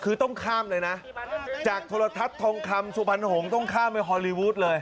คือต้องข้ามเลยนะจากโทรทัศน์ทองคำสุพรรณหงษ์ต้องข้ามไปฮอลลีวูดเลย